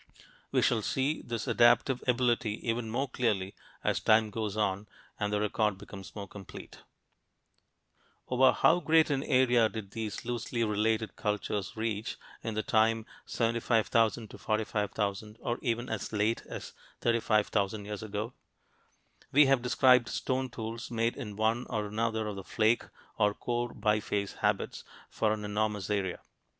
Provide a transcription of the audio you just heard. We shall see this adaptive ability even more clearly as time goes on and the record becomes more complete. Over how great an area did these loosely related cultures reach in the time 75,000 to 45,000 or even as late as 35,000 years ago? We have described stone tools made in one or another of the flake and core biface habits, for an enormous area.